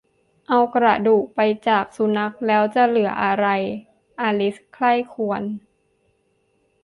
เอากระดูกไปจากสุนัข แล้วจะเหลืออะไร อลิสใคร่ครวญ